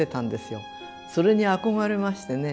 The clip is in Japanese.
それに憧れましてね